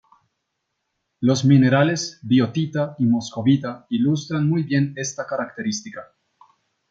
Los minerales biotita y moscovita ilustran muy bien esta característica.